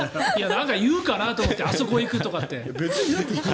何か言うかなと思ってあそこに行くとか。